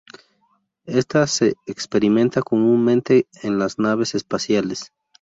Ésta se experimenta comúnmente en las naves espaciales.